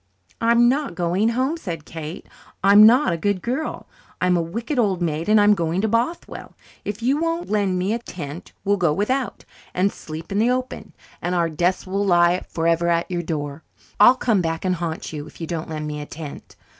"I'm not going home," said Kate. "I'm not a 'good girl' I'm a wicked old maid, and I'm going to Bothwell. If you won't lend us a tent we'll go without and sleep in the open and our deaths will lie forever at your door. I'll come back and haunt you, if you don't lend me a tent.